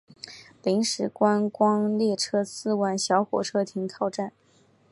临时观光列车四万小火车停靠站。